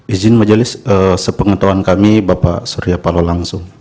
izin majelis sepengetahuan kami bapak surya paloh langsung